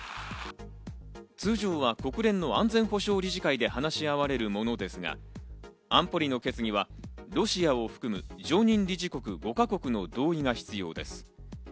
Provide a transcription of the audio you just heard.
通常は国連の安全保障理事会で話し合われるものですが、安保理の決議はロシアを含む常任理事国５か国の同意が必要です。